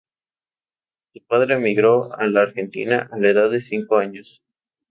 Su padre emigró a la Argentina a la edad de cinco años.